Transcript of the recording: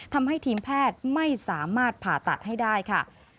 ทำให้ทีมแพทย์ไม่สามารถผ่าตัดให้ได้ค่ะ